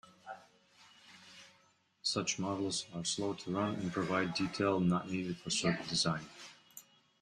Such models are slow to run and provide detail not needed for circuit design.